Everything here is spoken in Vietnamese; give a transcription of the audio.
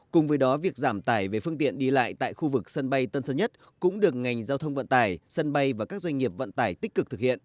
cùng với đó việc giảm tải về phương tiện đi lại tại khu vực sân bay tân sơn nhất cũng được ngành giao thông vận tải sân bay và các doanh nghiệp vận tải tích cực thực hiện